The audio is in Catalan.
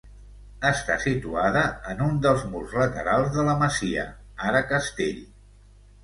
Està situada en un dels murs laterals de la masia, ara castell.